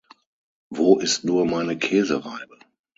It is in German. Wo ist nur meine Käsereibe?